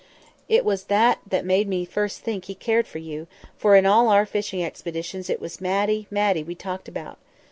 It was that that made me first think he cared for you; for in all our fishing expeditions it was Matty, Matty, we talked about.